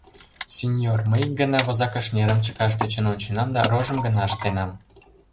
— Синьор, мый ик гана возакыш нерым чыкаш тӧчен онченам да рожым гына ыштенам.